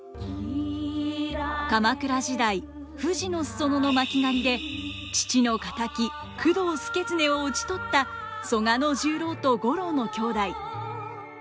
鎌倉時代富士の裾野の巻狩で父の敵工藤祐経を討ち取った曽我十郎と五郎の兄弟。